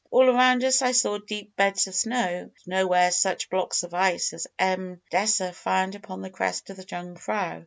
All around us I saw deep beds of snow, but nowhere such blocks of ice as M. Deser found upon the crest of the Jungfrau.